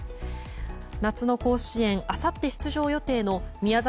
夏の甲子園あさって出場予定の宮崎